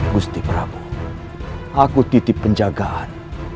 gusti prabu aku titip penjagaan